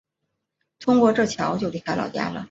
通过这桥就离开老家了